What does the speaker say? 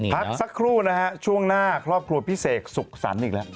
พักสักครู่นะฮะช่วงหน้าครอบครัวพี่เสกสุขสรรค์อีกแล้ว